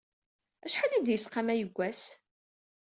Acḥal ay d-yesqamay deg wass?